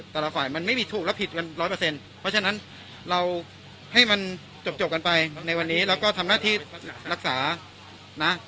แต่ละฝ่ายมันไม่มีถูกแล้วผิดกันร้อยเปอร์เซ็นต์เพราะฉะนั้นเราให้มันจบกันไปในวันนี้แล้วก็ทำหน้าที่รักษานะ